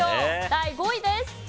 第５位です。